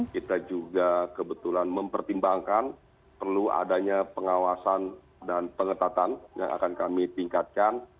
kita juga kebetulan mempertimbangkan perlu adanya pengawasan dan pengetatan yang akan kami tingkatkan